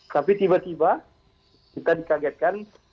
tapi tiba tiba kita dikagetkan